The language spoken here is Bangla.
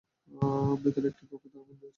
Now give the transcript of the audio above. ভিতরে একটি কক্ষে তারা বন্দি আছে।